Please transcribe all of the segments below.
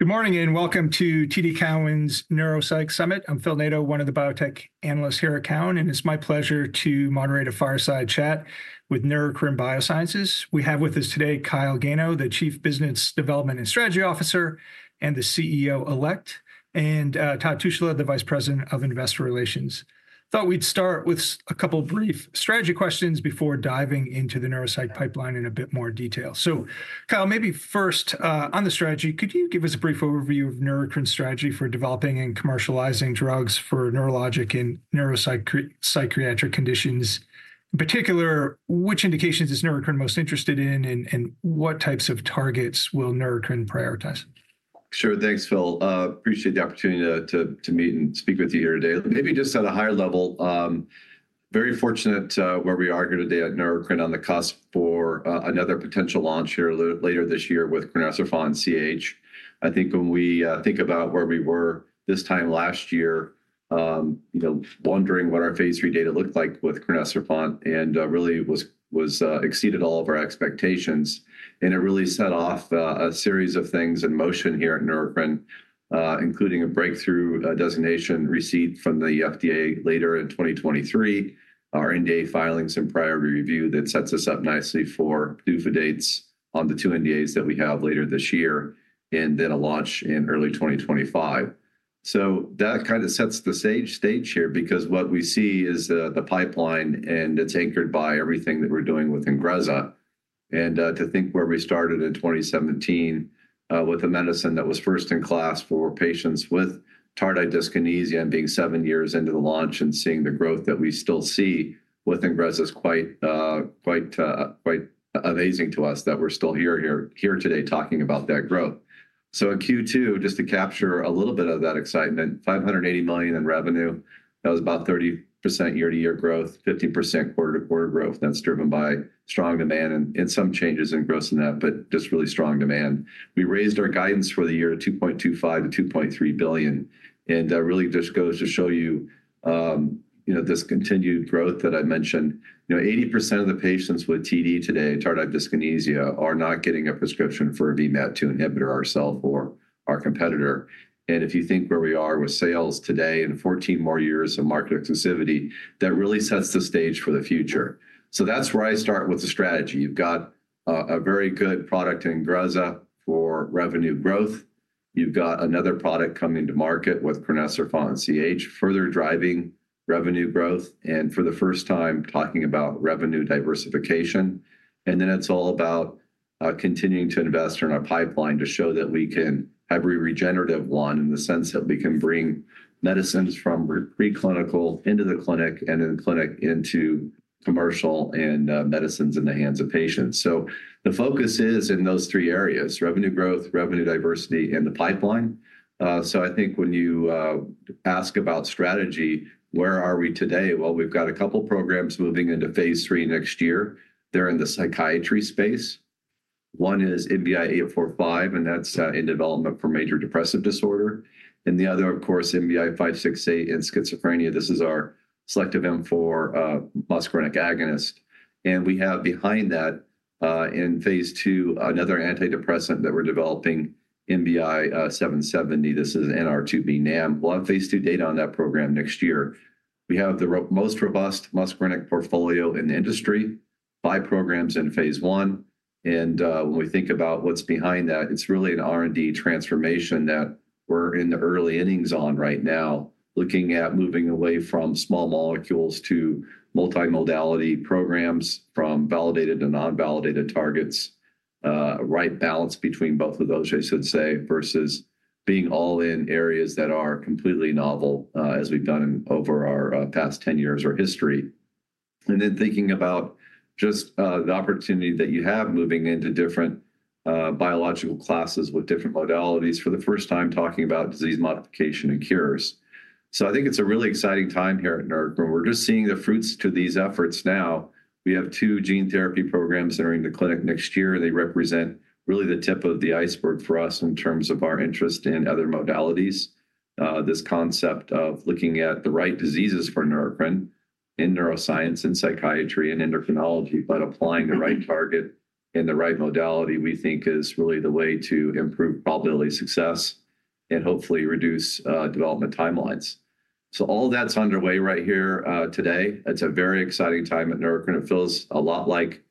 Good morning, and welcome to TD Cowen's Neuropsych Summit. I'm Phil Nadeau, one of the biotech analysts here at Cowen, and it's my pleasure to moderate a fireside chat with Neurocrine Biosciences. We have with us today, Kyle Gano, the Chief Business Development and Strategy Officer, and the CEO-elect, and Todd Tushla, the Vice President of Investor Relations. Thought we'd start with a couple brief strategy questions before diving into the Neuropsych pipeline in a bit more detail. So, Kyle, maybe first, on the strategy, could you give us a brief overview of Neurocrine's strategy for developing and commercializing drugs for neurologic and neuropsychiatric conditions? In particular, which indications is Neurocrine most interested in, and what types of targets will Neurocrine prioritize? Sure. Thanks, Phil. Appreciate the opportunity to meet and speak with you here today. Maybe just at a higher level, very fortunate where we are today at Neurocrine, on the cusp for another potential launch here later this year with crinecerfont for CAH. I think when we think about where we were this time last year, you know, Phase III data looked like with crinecerfont, and really exceeded all of our expectations. And it really set off a series of things in motion here at Neurocrine, including a breakthrough designation received from the FDA later in 2023, our NDA filings and priority review that sets us up nicely for PDUFA dates on the two NDAs that we have later this year, and then a launch in early 2025. That kinda sets the stage here, because what we see is the pipeline, and it's anchored by everything that we're doing with Ingrezza. To think where we started in 2017 with a medicine that was first-in-class for patients with tardive dyskinesia, and being seven years into the launch and seeing the growth that we still see with Ingrezza is quite amazing to us that we're still here today, talking about that growth. In Q2, just to capture a little bit of that excitement, $580 million in revenue. That was about 30% year-to-year growth, 50% quarter-to-quarter growth. That's driven by strong demand and some changes in gross-to-net but just really strong demand. We raised our guidance for the year to $2.25 billion-$2.3 billion, and that really just goes to show you, you know, this continued growth that I mentioned. You know, 80% of the patients with TD today, tardive dyskinesia, are not getting a prescription for VMAT2 inhibitor, ourselves or our competitor. And if you think where we are with sales today and fourteen more years of market exclusivity, that really sets the stage for the future. So that's where I start with the strategy. You've got a very good product in Ingrezza for revenue growth. You've got another product coming to market with crinecerfont for CAH, further driving revenue growth, and for the first time, talking about revenue diversification. It's all about continuing to invest in our pipeline to show that we can have a regenerative one, in the sense that we can bring medicines from preclinical into the clinic, and in the clinic into commercial, and medicines in the hands of patients. The focus is in those three areas: revenue growth, revenue diversity, and the pipeline. I think when you ask about strategy, where are we today? We've got a couple Phase III next year. they're in the psychiatry space. One is NBI-1065845, and that's in development for major depressive disorder, and the other, of course, NBI-568 in schizophrenia. This is our selective M4 muscarinic agonist. And we have behind Phase II, another antidepressant that we're developing, NBI-770. This is NR2B NAM. Phase II data on that program next year. We have the most robust muscarinic portfolio in the industry, five programs in Phase I, and when we think about what's behind that, it's really an R&D transformation that we're in the early innings on right now. Looking at moving away from small molecules to multi-modality programs, from validated to non-validated targets, right balance between both of those, I should say, versus being all in areas that are completely novel, as we've done in over our past 10 years of our history. And then, thinking about just the opportunity that you have moving into different biological classes with different modalities, for the first time, talking about disease modification and cures. So I think it's a really exciting time here at Neurocrine. We're just seeing the fruits of these efforts now. We have two gene therapy programs that are in the clinic next year. They represent really the tip of the iceberg for us in terms of our interest in other modalities. This concept of looking at the right diseases for Neurocrine in neuroscience and psychiatry and endocrinology, but applying the right target and the right modality, we think, is really the way to improve probability of success, and hopefully reduce development timelines. So all that's underway right here, today. It's a very exciting time at Neurocrine. It feels a lot like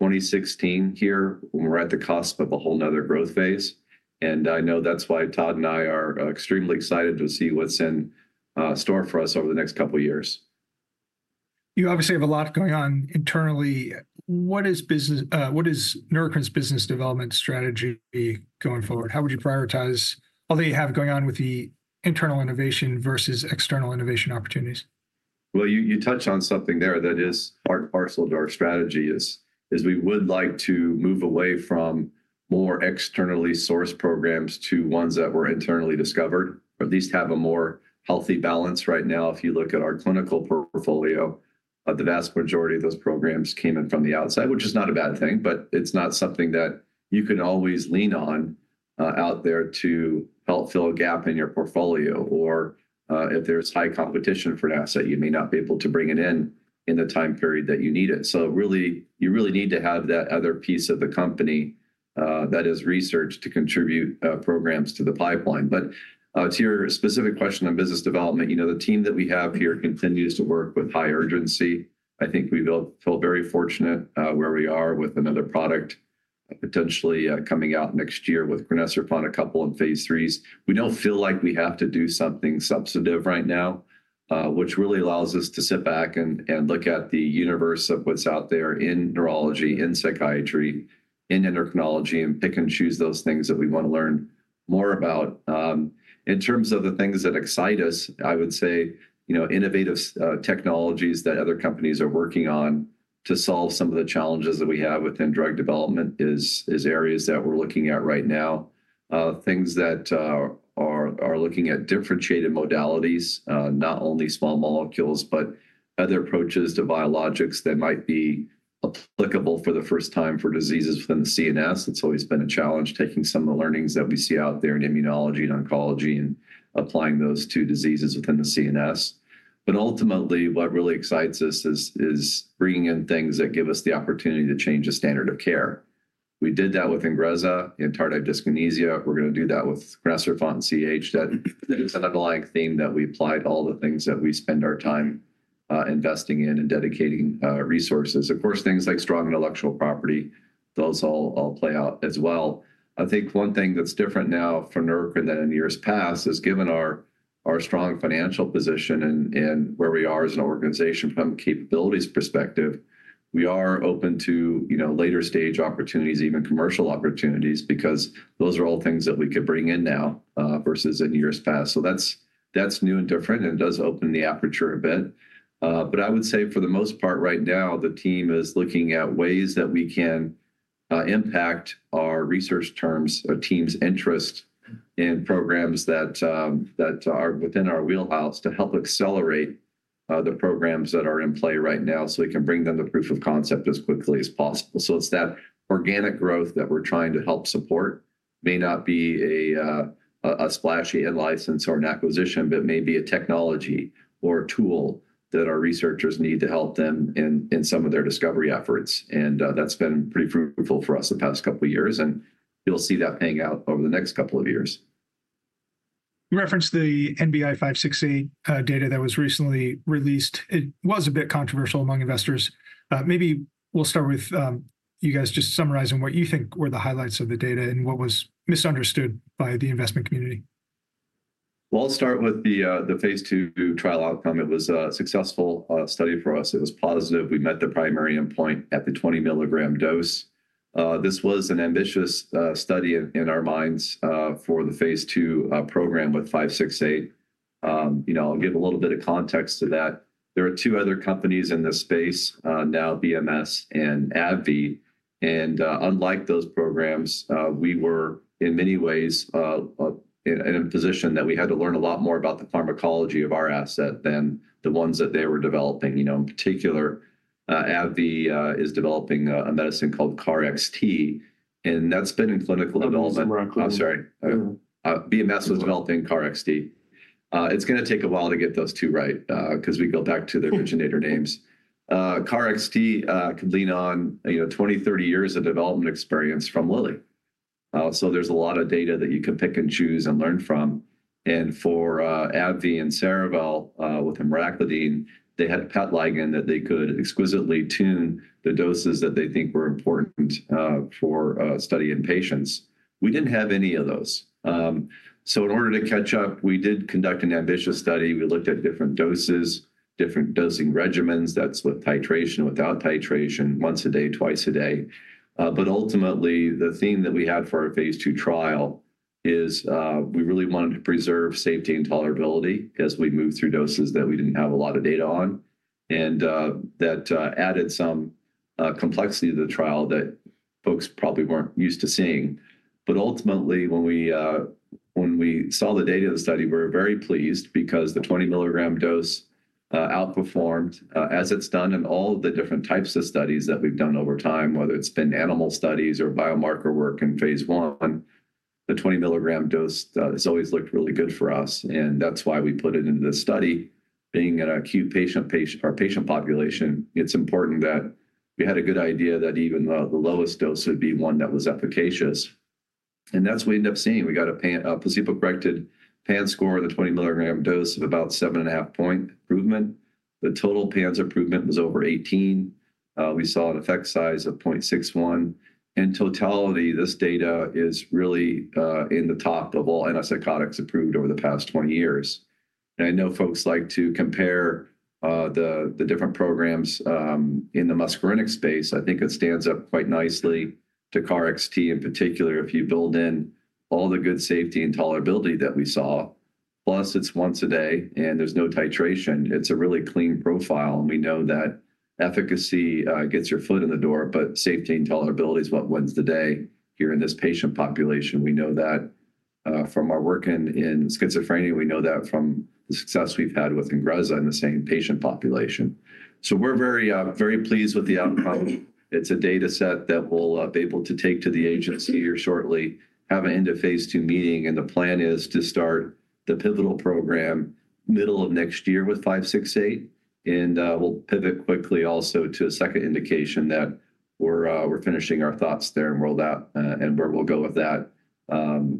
2016 here, when we're at the cusp of a whole other growth phase, and I know that's why Todd and I are extremely excited to see what's in store for us over the next couple of years. You obviously have a lot going on internally. What is Neurocrine's business development strategy going forward? How would you prioritize all that you have going on with the internal innovation versus external innovation opportunities? Well, you touched on something there that is part and parcel to our strategy. We would like to move away from more externally sourced programs to ones that were internally discovered, or at least have a more healthy balance. Right now, if you look at our clinical portfolio, the vast majority of those programs came in from the outside, which is not a bad thing, but it's not something that you can always lean on out there to help fill a gap in your portfolio. Or, if there's high competition for an asset, you may not be able to bring it in in the time period that you need it. So really, you really need to have that other piece of the company that is research to contribute programs to the pipeline. But, to your specific question on business development, you know, the team that we have here continues to work with high urgency. I think we feel very fortunate where we are with another product, potentially, coming out next year with crinecerfont, a couple in Phase IIIs. We don't feel like we have to do something substantive right now, which really allows us to sit back and look at the universe of what's out there in neurology, in psychiatry, in endocrinology, and pick and choose those things that we want to learn more about. In terms of the things that excite us, I would say, you know, innovative technologies that other companies are working on to solve some of the challenges that we have within drug development is areas that we're looking at right now. Things that are looking at differentiated modalities, not only small molecules, but other approaches to biologics that might be applicable for the first time for diseases within the CNS. It's always been a challenge, taking some of the learnings that we see out there in immunology and oncology and applying those to diseases within the CNS. But ultimately, what really excites us is bringing in things that give us the opportunity to change the standard of care. We did that with Ingrezza in tardive dyskinesia. We're gonna do that with crinecerfont CAH. That is an underlying theme that we apply to all the things that we spend our time investing in and dedicating resources. Of course, things like strong intellectual property, those all play out as well. I think one thing that's different now for Neurocrine than in years past is given our strong financial position and where we are as an organization from a capabilities perspective, we are open to, you know, later stage opportunities, even commercial opportunities, because those are all things that we could bring in now versus in years past. So that's new and different and does open the aperture a bit. But I would say for the most part, right now, the team is looking at ways that we can impact our research team's interest in programs that are within our wheelhouse to help accelerate the programs that are in play right now, so we can bring them to proof of concept as quickly as possible. So it's that organic growth that we're trying to help support. May not be a splashy in-license or an acquisition, but may be a technology or a tool that our researchers need to help them in some of their discovery efforts. And that's been pretty fruitful for us the past couple of years, and you'll see that playing out over the next couple of years. You referenced the NBI 568 data that was recently released. It was a bit controversial among investors. Maybe we'll start with you guys just summarizing what you think were the highlights of the data and what was misunderstood by the investment community. I'll start with the Phase II trial outcome. It was a successful study for us. It was positive. We met the primary endpoint at the 20 mg dose. This was an ambitious study in our minds for the Phase II program with 568. You know, I'll give a little bit of context to that. There are two other companies in this space now, BMS and AbbVie. Unlike those programs, we were, in many ways, in a position that we had to learn a lot more about the pharmacology of our asset than the ones that they were developing. You know, in particular, AbbVie is developing a medicine called KarXT, and that's been in clinical development. That was Bristol. I'm sorry. Yeah. BMS was developing KarXT. It's gonna take a while to get those two right, 'cause we go back to their xanomeline names. KarXT could lean on, you know, 20, 30 years of development experience from Lilly. So there's a lot of data that you can pick and choose and learn from. And for AbbVie and Cerevel, with emraclidine, they had a PET ligand that they could exquisitely tune the doses that they think were important for study in patients. We didn't have any of those. So in order to catch up, we did conduct an ambitious study. We looked at different doses, different dosing regimens. That's with titration, without titration, once a day, twice a day. But ultimately, the theme that we had for our Phase II trial is, we really wanted to preserve safety and tolerability as we moved through doses that we didn't have a lot of data on, and, that added some complexity to the trial that folks probably weren't used to seeing. But ultimately, when we saw the data of the study, we were very pleased because the 20 mg dose outperformed, as it's done in all the different types of studies that we've done over time, whether it's been animal studies or biomarker work in Phase I, the 20-mg dose has always looked really good for us, and that's why we put it into this study. Being an acute patient or patient population, it's important that we had a good idea that even the lowest dose would be one that was efficacious. That's what we ended up seeing. We got a placebo-corrected PANSS score of the 20-mg dose of about 7.5-point improvement. The total PANSS improvement was over 18. We saw an effect size of 0.61. In totality, this data is really in the top of all antipsychotics approved over the past 20 years. I know folks like to compare the different programs in the muscarinic space. I think it stands up quite nicely to KarXT, in particular, if you build in all the good safety and tolerability that we saw. Plus, it's once a day, and there's no titration. It's a really clean profile, and we know that efficacy gets your foot in the door, but safety and tolerability is what wins the day here in this patient population. We know that from our work in schizophrenia, we know that from the success we've had with Ingrezza in the same patient population. So we're very very pleased with the outcome. It's a data set that we'll be able to take to the agency here shortly, have an end Phase II meeting, and the plan is to start-... The pivotal program middle of next year with 568, and we'll pivot quickly also to a second indication that we're finishing our thoughts there and roll out, and where we'll go with that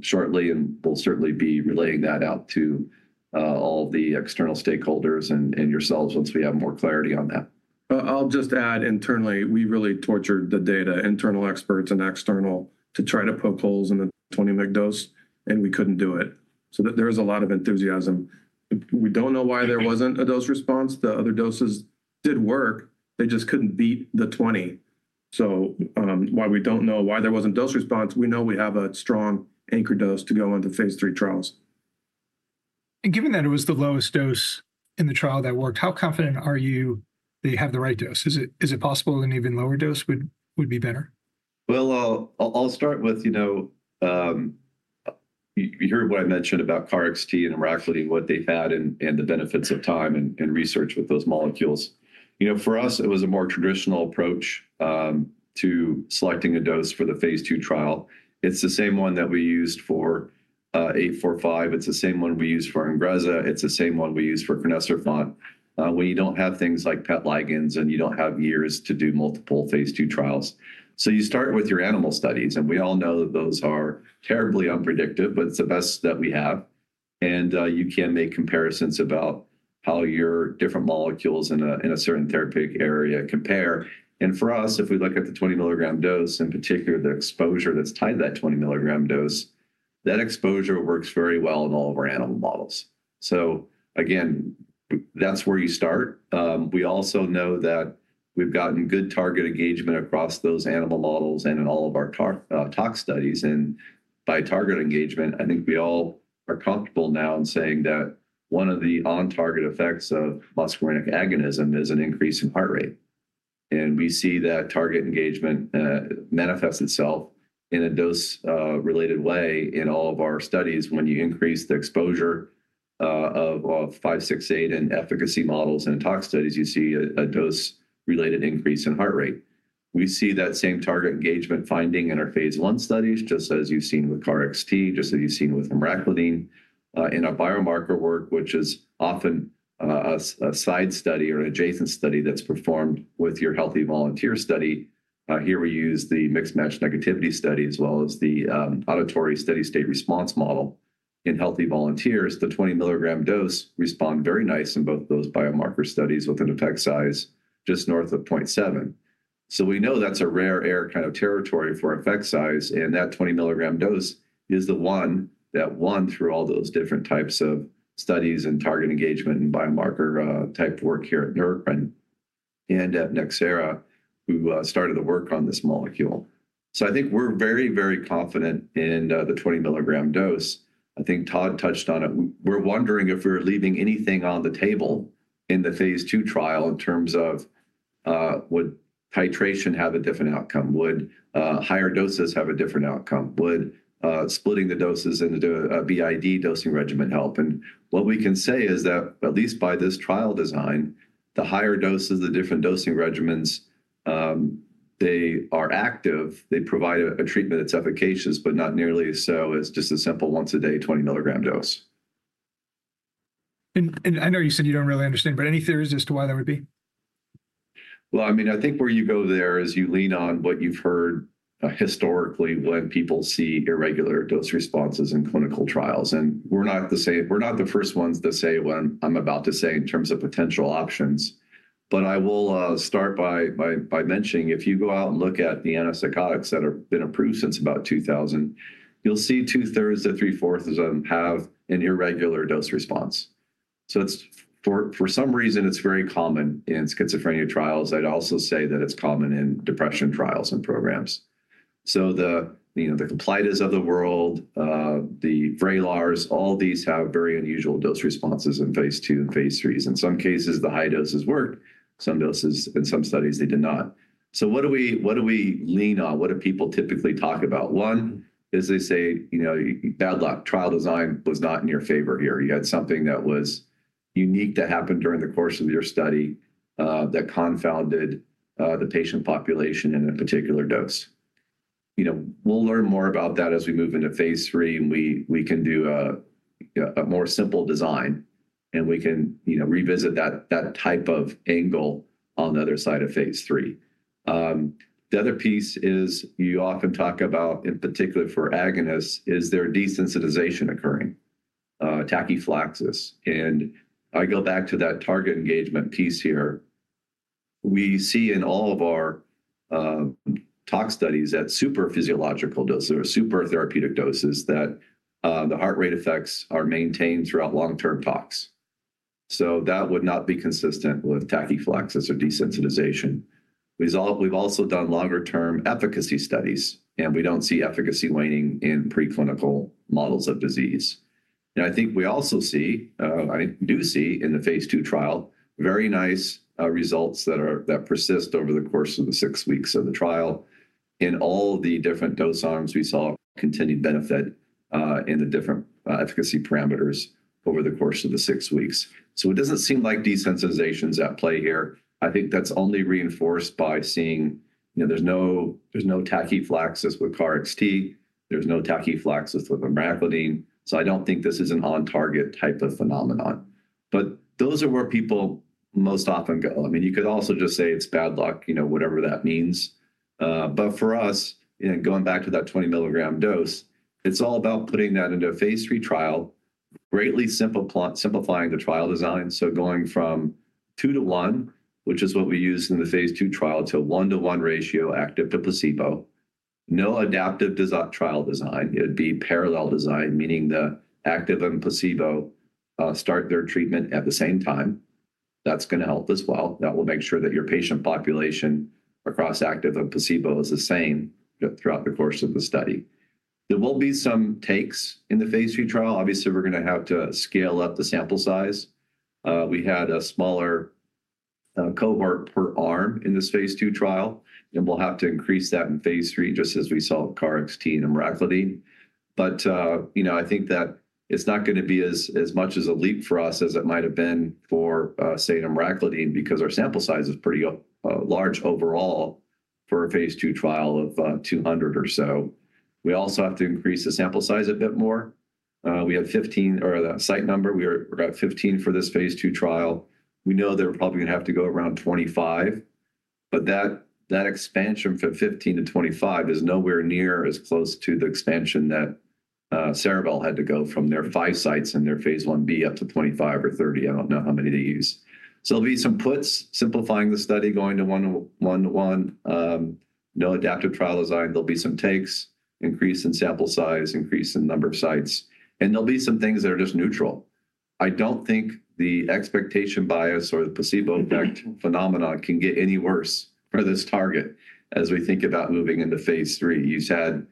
shortly, and we'll certainly be relaying that out to all the external stakeholders and yourselves once we have more clarity on that. I'll just add internally, we really tortured the data, internal experts and external, to try to poke holes in the 20 mg dose, and we couldn't do it. So there is a lot of enthusiasm. We don't know why there wasn't a dose response. The other doses did work. They just couldn't beat the 20 mg. So, while we don't know why there wasn't dose response, we know we have a strong anchor dose to go Phase III trials. Given that it was the lowest dose in the trial that worked, how confident are you that you have the right dose? Is it possible an even lower dose would be better? I'll start with, you know, you heard what I mentioned about KarXT and emraclidine, what they've had and the benefits of time and research with those molecules. You know, for us, it was a more traditional approach to selecting a dose Phase II trial. it's the same one that we used for 845. It's the same one we used for Ingrezza. It's the same one we used for crinecerfont. We don't have things like PET ligands, and you don't have years to Phase II trials. so you start with your animal studies, and we all know that those are terribly unpredictable, but it's the best that we have. You can make comparisons about how your different molecules in a certain therapeutic area compare. And for us, if we look at the 20 mg dose, in particular, the exposure that's tied to that 20 mg dose, that exposure works very well in all of our animal models. So again, that's where you start. We also know that we've gotten good target engagement across those animal models and in all of our tox studies. And by target engagement, I think we all are comfortable now in saying that one of the on-target effects of muscarinic agonism is an increase in heart rate. And we see that target engagement manifest itself in a dose related way in all of our studies. When you increase the exposure of 568 in efficacy models and in tox studies, you see a dose-related increase in heart rate. We see that same target engagement finding in our Phase I studies, just as you've seen with KarXT, just as you've seen with emraclidine. In our biomarker work, which is often a side study or an adjacent study that's performed with your healthy volunteer study, here we use the mismatch negativity study as well as the auditory steady state response model. In healthy volunteers, the 20 mg dose respond very nice in both those biomarker studies with an effect size just north of 0.7. So we know that's a rare air kind of territory for effect size, and that 20 mg dose is the one that won through all those different types of studies and target engagement and biomarker type work here at Neurocrine and at Nxera, who started the work on this molecule. So I think we're very, very confident in the 20 mg dose. I think Todd touched on it. We're wondering if we're leaving anything on the table Phase II trial in terms of would titration have a different outcome? Would higher doses have a different outcome? Would splitting the doses into a BID dosing regimen help? And what we can say is that, at least by this trial design, the higher doses, the different dosing regimens, they are active. They provide a treatment that's efficacious, but not nearly so as just a simple once-a-day 20 mg dose. I know you said you don't really understand, but any theories as to why that would be? I mean, I think where you go there is you lean on what you've heard historically, when people see irregular dose responses in clinical trials. We're not the same, we're not the first ones to say what I'm about to say in terms of potential options. I will start by mentioning, if you go out and look at the antipsychotics that have been approved since about 2000, you'll see 2/3 to 3/4 of them have an irregular dose response. It's for some reason very common in schizophrenia trials. I'd also say that it's common in depression trials and programs. The, you know, the Caplytas of the world, the Vraylars, all these have very unusual Phase III. in some cases, the high doses work, some doses in some studies, they did not. So what do we lean on? What do people typically talk about? One is they say, you know, bad luck. Trial design was not in your favor here. You had something that was unique that happened during the course of your study that confounded the patient population in a particular dose. You know, we'll learn more about that as Phase III, and we can do a more simple design, and we can, you know, revisit that type of angle on the Phase III. the other piece is, you often talk about, in particular for agonists, is there desensitization occurring, tachyphylaxis? And I go back to that target engagement piece here. We see in all of our tox studies at super physiological doses or super therapeutic doses, that the heart rate effects are maintained throughout long-term tox. So that would not be consistent with tachyphylaxis or desensitization. We've also done longer-term efficacy studies, and we don't see efficacy waning in preclinical models of disease. And I think we also see I do see Phase II trial, very nice results that persist over the course of the six weeks of the trial. In all the different dose arms, we saw continued benefit in the different efficacy parameters over the course of the six weeks. So it doesn't seem like desensitization is at play here. I think that's only reinforced by seeing. You know, there's no tachyphylaxis with KarXT, there's no tachyphylaxis with emraclidine. I don't think this is an on-target type of phenomenon. But those are where people most often go. I mean, you could also just say it's bad luck, you know, whatever that means. But for us, you know, going back to that 20 mg dose, it's all about putting Phase III trial, greatly simplifying the trial design. So going from two to one, which is what we used Phase II trial, to a one-to-one ratio, active to placebo, no adaptive trial design. It would be parallel design, meaning the active and placebo start their treatment at the same time. That's gonna help as well. That will make sure that your patient population across active and placebo is the same throughout the course of the study. There will be some takeaways in Phase II trial. Obviously, we're gonna have to scale up the sample size. We had a smaller cohort per arm Phase II trial, and we'll have to Phase III just as we saw with KarXT and emraclidine. But you know, I think that it's not gonna be as much as a leap for us as it might have been for, say, emraclidine, because our sample size is pretty large overall Phase II trial of 200 or so. We also have to increase the sample size a bit more. We have 15 mg or the site number, we're about 15 mg for Phase II trial. We know they're probably gonna have to go around 25 mg, but that expansion from 15 mg-25 mg is nowhere near as close to the expansion that Cerevel had to go from their five sites in their Phase Ib up to 25 mg or 30 mg. I don't know how many they used. So there'll be some puts, simplifying the study, going to one-to-one, no adaptive trial design. There'll be some takes, increase in sample size, increase in number of sites, and there'll be some things that are just neutral. I don't think the expectation bias or the placebo effect phenomenon can get any worse for this target as we think Phase III. you've had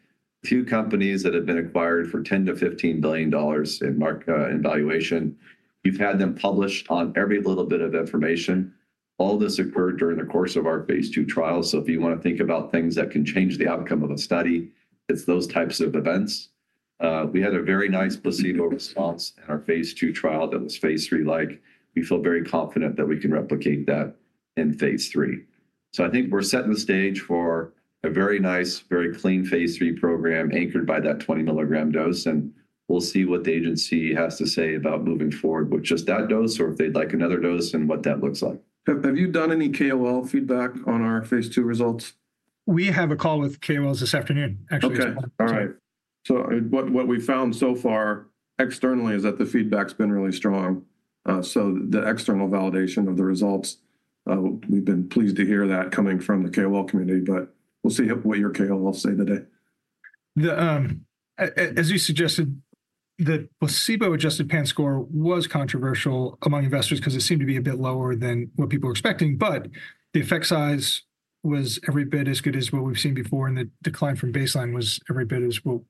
two companies that have been acquired for $10 billion-$15 billion in market valuation. You've had them published on every little bit of information. All this occurred during the course Phase II trial. so if you wanna think about things that can change the outcome of a study, it's those types of events. We had a very nice placebo response Phase III-like. we feel very confident that we can Phase III. so i think we're setting the stage for a very Phase III program, anchored by that 20 mg dose, and we'll see what the agency has to say about moving forward with just that dose or if they'd like another dose, and what that looks like. Have you done any KOL feedback on Phase II results? We have a call with KOLs this afternoon, actually. Okay. All right. So what we found so far externally is that the feedback's been really strong. So the external validation of the results, we've been pleased to hear that coming from the KOL community, but we'll see what your KOL will say today. As you suggested, the placebo-adjusted PANSS score was controversial among investors because it seemed to be a bit lower than what people were expecting, but the effect size was every bit as good as what we've seen before, and the decline from baseline was every bit as well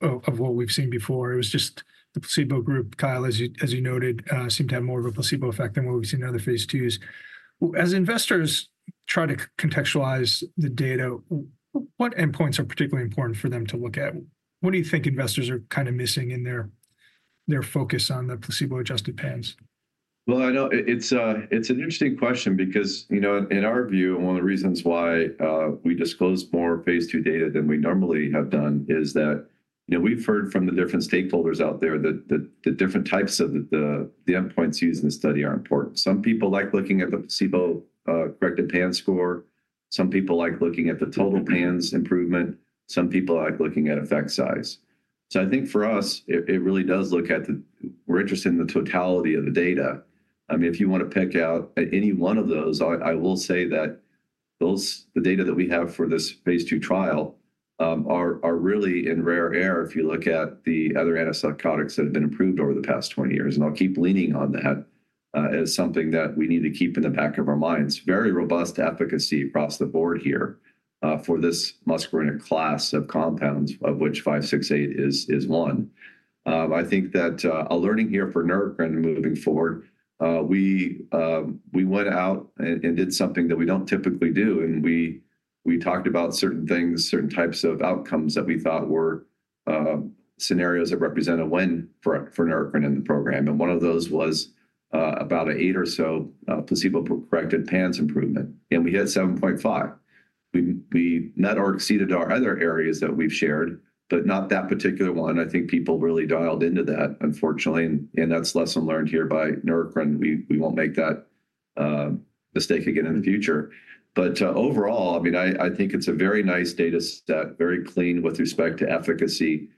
of what we've seen before. It was just the placebo group, Kyle, as you noted, seemed to have more of a placebo effect than what we've seen Phase IIs. as investors try to contextualize the data, what endpoints are particularly important for them to look at? What do you think investors are kinda missing in their focus on the placebo-adjusted PANSS? Well, I know it's an interesting question because, you know, in our view, and one of the reasons why we Phase II data than we normally have done, is that, you know, we've heard from the different stakeholders out there that the different types of the endpoints used in the study are important. Some people like looking at the placebo-corrected PANSS score, some people like looking at the total PANSS improvement, some people like looking at effect size. So I think for us, it really does look at the totality of the data. We're interested in the totality of the data. I mean, if you wanna pick out any one of those, I will say that those. The data that we have Phase II trial are really in rare air if you look at the other antipsychotics that have been approved over the past twenty years, and I'll keep leaning on that as something that we need to keep in the back of our minds. Very robust efficacy across the board here for this muscarinic class of compounds, of which five, six, eight is one. I think that a learning here for Neurocrine moving forward, we went out and did something that we don't typically do, and we talked about certain things, certain types of outcomes that we thought were scenarios that represented a win for Neurocrine and the program, and one of those was about an eight or so placebo-corrected PANSS improvement, and we hit 7.5 mg. We met or exceeded our other areas that we've shared, but not that particular one. I think people really dialed into that, unfortunately, and that's lesson learned here by Neurocrine. We won't make that mistake again in the future. But overall, I mean, I think it's a very nice data step, very clean with respect to efficacy.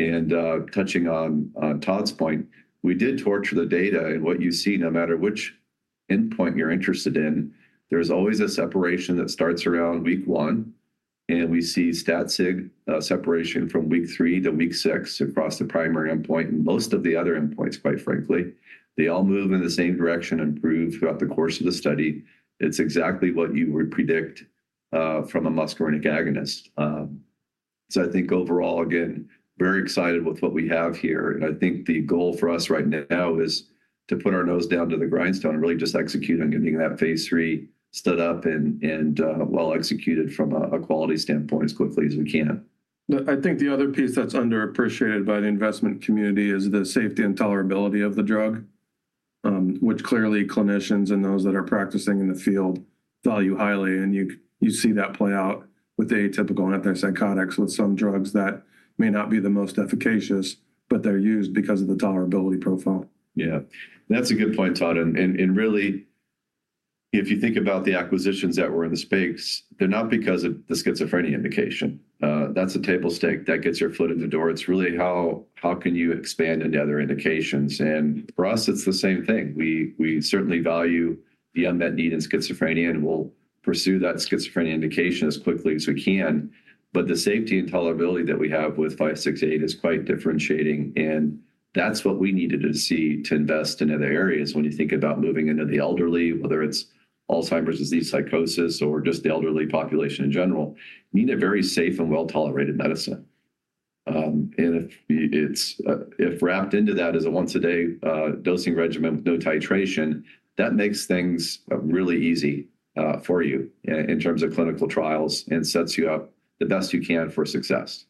Touching on Todd's point, we did torture the data, and what you see, no matter which endpoint you're interested in, there's always a separation that starts around week one, and we see stat sig separation from week three to week six across the primary endpoint and most of the other endpoints, quite frankly. They all move in the same direction, improve throughout the course of the study. It's exactly what you would predict from a muscarinic agonist. So I think overall, again, very excited with what we have here, and I think the goal for us right now is to put our nose down to the grindstone and really just execute Phase III stood up and well executed from a quality standpoint as quickly as we can. I think the other piece that's underappreciated by the investment community is the safety and tolerability of the drug, which clearly clinicians and those that are practicing in the field value highly, and you see that play out with atypical antipsychotics, with some drugs that may not be the most efficacious, but they're used because of the tolerability profile. Yeah, that's a good point, Todd, and really, if you think about the acquisitions that were in the space, they're not because of the schizophrenia indication. That's a table stake that gets your foot in the door. It's really how can you expand into other indications? And for us, it's the same thing. We certainly value the unmet need in schizophrenia, and we'll pursue that schizophrenia indication as quickly as we can. But the safety and tolerability that we have with 568 is quite differentiating, and that's what we needed to see to invest in other areas. When you think about moving into the elderly, whether it's Alzheimer's disease, psychosis, or just the elderly population in general, you need a very safe and well-tolerated medicine. And if it's wrapped into that as a once-a-day dosing regimen with no titration, that makes things really easy for you in terms of clinical trials, and sets you up the best you can for success.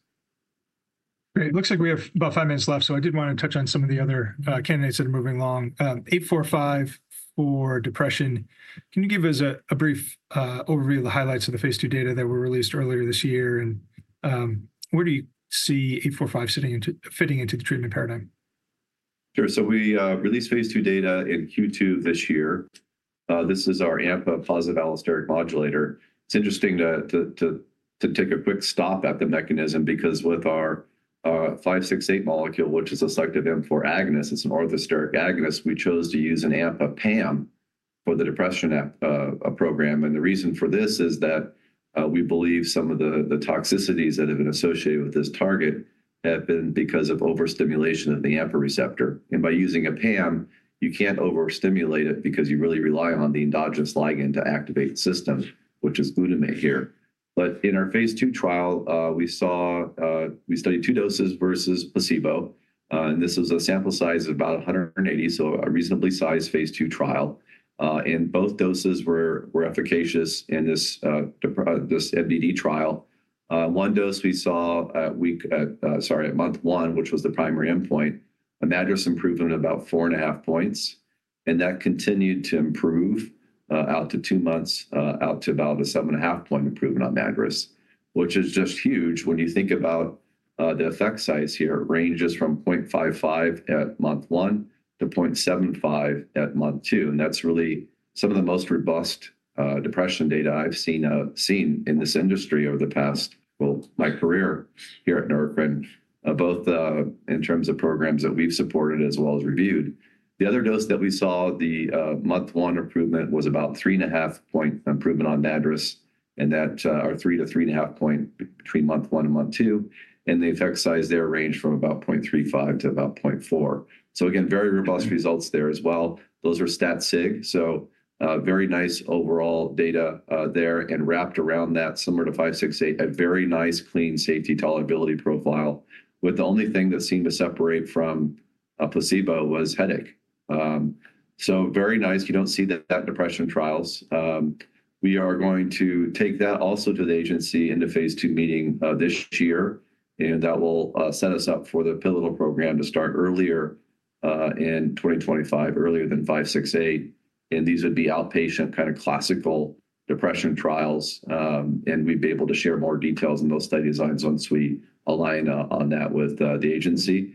Great. It looks like we have about five minutes left, so I did want to touch on some of the other candidates that are moving along. 845 for depression. Can you give us a brief overview of the highlights of Phase II data that were released earlier this year, and where do you see 845 fitting into the treatment paradigm? Sure, so we Phase II data in Q2 this year. This is our AMPA positive allosteric modulator. It's interesting to take a quick stop at the mechanism, because with our 568 molecule, which is a selective M4 agonist, it's an orthosteric agonist, we chose to use an AMPA PAM for the depression app program. And the reason for this is that we believe some of the toxicities that have been associated with this target have been because of overstimulation of the AMPA receptor. And by using a PAM, you can't overstimulate it, because you really rely on the endogenous ligand to activate the system, which is glutamate here. But in Phase II trial, we saw, we studied two doses versus placebo, and this was a sample size of about 180, so a reasonably Phase II trial. And both doses were efficacious in this MDD trial. One dose we saw at month one, which was the primary endpoint, a MADRS improvement of about 4.5 points, and that continued to improve out to two months out to about a 7.5-point improvement on MADRS, which is just huge. When you think about the effect size here, it ranges from 0.55 at month one to 0.75 at month two, and that's really some of the most robust depression data I've seen in this industry over the past... My career here at Neurocrine, both in terms of programs that we've supported as well as reviewed. The other dose that we saw, the month one improvement, was about three-and-a-half point improvement on the MADRS, and that, or three to three-and-a-half point between month one and month two, and the effect size there ranged from about 0.35 to about 0.4. So again, very robust results there as well. Those are stat sig, so very nice overall data there, and wrapped around that, similar to 568, a very nice, clean, safety tolerability profile, with the only thing that seemed to separate from a placebo was headache. So very nice. You don't see that in depression trials. We are going to take that also to the agency in Phase II meeting, this year, and that will set us up for the pivotal program to start earlier, in 2025, earlier than 568, and these would be outpatient, kind of classical depression trials, and we'd be able to share more details on those study designs once we align on that with the agency,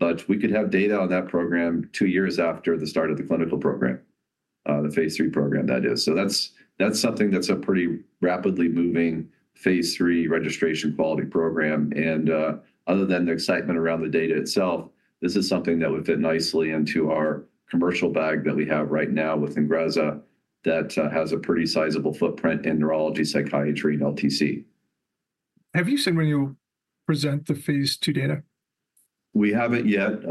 but we could have data on that program two years after the start of the clinical program, Phase IIi program that is. So that's, that's something that's a pretty rapidly Phase III registration quality program, and other than the excitement around the data itself, this is something that would fit nicely into our commercial bag that we have right now with Ingrezza that has a pretty sizable footprint in neurology, psychiatry, and LTC. Have you said when you'll present Phase II data? We haven't yet.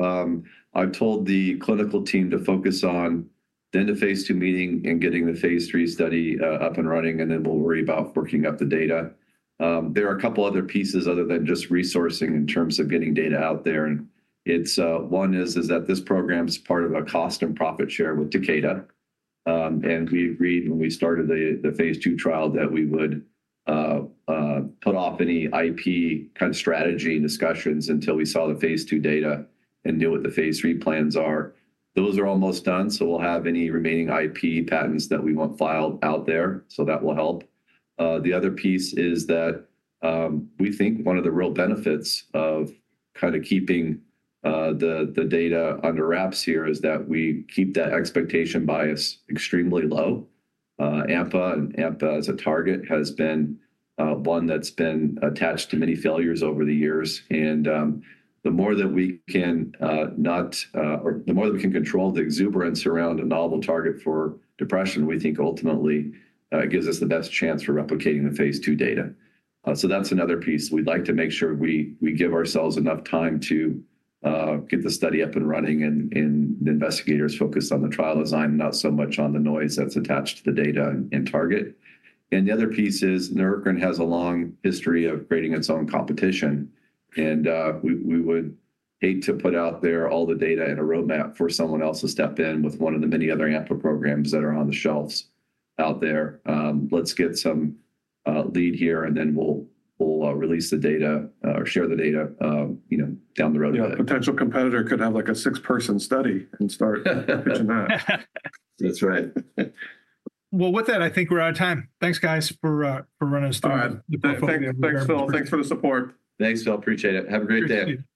I've told the clinical team to focus on the end Phase II meeting and getting Phase III study up and running, and then we'll worry about working up the data. There are a couple other pieces other than just resourcing in terms of getting data out there, and one is that this program is part of a cost and profit share with Takeda, and we agreed when we started Phase II trial that we would put off any IP kind of strategy and discussions until we saw Phase II data and deal with Phase III plans. Those are almost done, so we'll have any remaining IP patents that we want filed out there, so that will help. The other piece is that we think one of the real benefits of kind of keeping the data under wraps here is that we keep that expectation bias extremely low. AMPA PAM as a target has been one that's been attached to many failures over the years, and the more that we can control the exuberance around a novel target for depression, we think ultimately gives us the best chance for replicating Phase II data. So that's another piece. We'd like to make sure we give ourselves enough time to get the study up and running, and the investigators focused on the trial design, not so much on the noise that's attached to the data and target. The other piece is, Neurocrine has a long history of creating its own competition, and we would hate to put out there all the data and a roadmap for someone else to step in with one of the many other AMPA programs that are on the shelves out there. Let's get some lead here, and then we'll release the data or share the data, you know, down the road. Yeah, a potential competitor could have, like, a six-person study and start pitching that. That's right. With that, I think we're out of time. Thanks, guys, for running us through- All right. The portfolio. Thanks, Phil. Thanks for the support. Thanks, Phil, appreciate it. Have a great day.